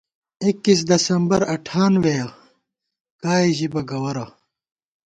ایکیس دسمبر اٹھانوېَہ ، کائے ژِبہ گوَرہ